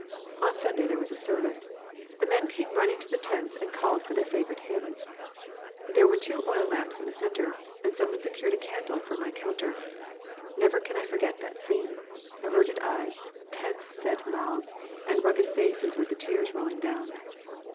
On Sunday there was a service. The men came running to the tents and called for their favourite hymns. There were two oil lamps in the centre, and someone secured a candle for my counter. Never can I forget that scene averted eyes, tense set mouths, and rugged faces with the tears rolling down.